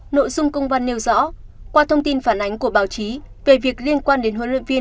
nội dung công văn nêu rõ qua thông tin phản ánh của báo chí về việc liên quan đến huấn luyện viên